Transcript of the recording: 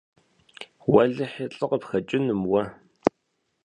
Уэлэхьи, лӀы къыпхэкӀынум уэ.